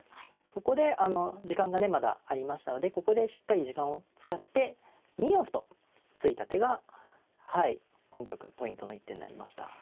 そこで時間がねまだありましたのでここでしっかり時間を使って２四歩と突いた手が本局ポイントの一手になりました。